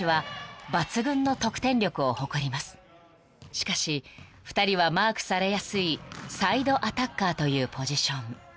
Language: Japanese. ［しかし２人はマークされやすいサイドアタッカーというポジション］